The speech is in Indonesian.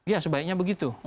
ya sebaiknya begitu